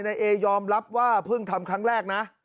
นายเอยอมรับว่าเพิ่งทำครั้งแรกนะ